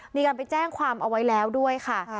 มีการไปแจ้งความเอาไว้แล้วด้วยค่ะ